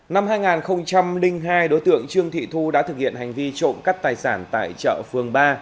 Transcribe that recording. năm hai nghìn hai đối tượng trương thị thu đã thực hiện hành vi trộm cắp tài sản tại chợ phường ba